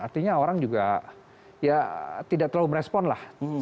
artinya orang juga ya tidak terlalu merespon lah